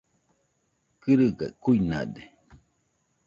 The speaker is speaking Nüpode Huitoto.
Kɨrɨgaɨ kuinade.